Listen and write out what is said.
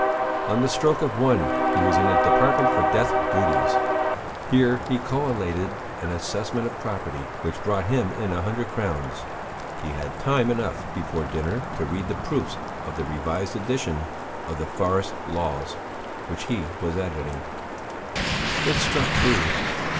On the stroke of one he was in the Department for Death Duties. Here he collated an assessment of property which brought him in a hundred crowns; he had time enough before dinner to read the proofs of the revised edition of the Forest Laws, which he was editing. It struck three.